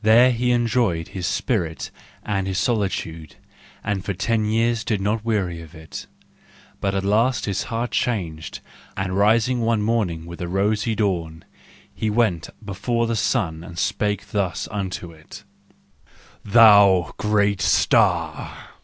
There he enjoyed his spirit and his solitude, and for ten years did not weary of it. But at last his heart changed,— and rising one morning with the rosy dawn, he went before the sun and spake thus unto it: " Thou great star!